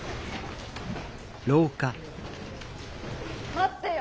待ってよ。